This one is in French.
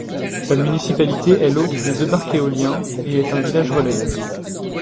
La municipalité est l'hôte de deux parcs éoliens et est un village-relais.